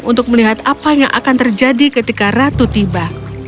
untuk melihat apa yang akan terjadi ketika ratu tiba